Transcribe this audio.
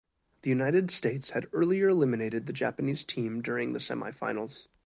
The United States had earlier eliminated the Japanese team during the semi-finals.